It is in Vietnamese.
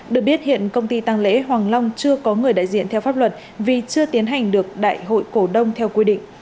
được biết hiện công ty tăng lễ hoàng long chưa có người đại diện theo pháp luật vì chưa tiến hành được đại hội cổ đông theo quy định